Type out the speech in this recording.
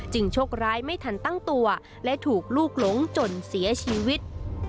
โชคร้ายไม่ทันตั้งตัวและถูกลูกหลงจนเสียชีวิต